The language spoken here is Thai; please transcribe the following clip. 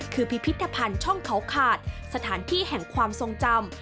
คือพิพิธภัณฑ์ช่องเขาขาดสถานที่แห่งความทรงจำ